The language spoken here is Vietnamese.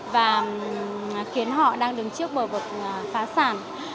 và khiến họ đang đứng trước bờ vực phá sản